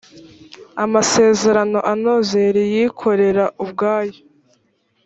amasezerano anoze riyikorera ubwaryo